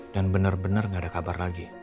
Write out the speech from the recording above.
dan bener bener gak ada kabar lagi